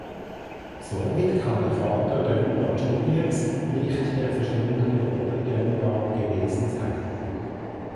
Somit kann der Vater Dunbar Juniors nicht der verschwundene Bobby Dunbar gewesen sein.